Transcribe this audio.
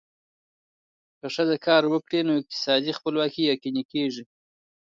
که ښځه کار وکړي، نو اقتصادي خپلواکي یقیني کېږي.